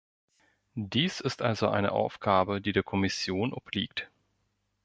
Dies ist also eine Aufgabe, die der Kommission obliegt.